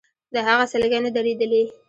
د هغه سلګۍ نه درېدلې.